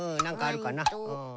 なんかあるかな？